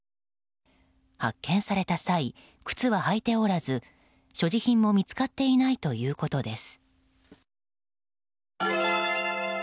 発見された際靴は履いておらず所持品も見つかっていないということです。